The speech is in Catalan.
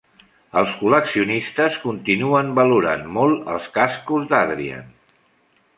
Els col·leccionistes continuen valorant molt els cascos d'Adrian.